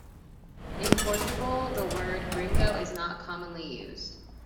In Portugal the word gringo is not commonly used.